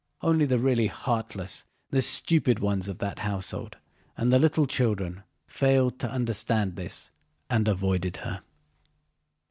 Only the really heartless, the stupid ones of that household, and the little children failed to understand this and avoided her.